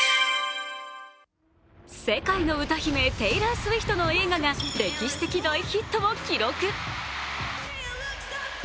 世界の歌姫、テイラー・スウィフトの映画が歴史的大ヒットを記録。